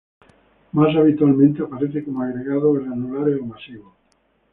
Más habitualmente aparece como agregados granulares o masivos.